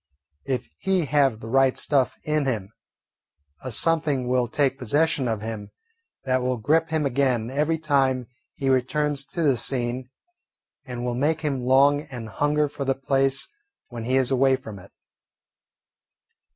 If he have the right stuff in him, a something will take possession of him that will grip him again every time he returns to the scene and will make him long and hunger for the place when he is away from it.